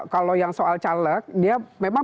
kalau yang soal caleg dia memang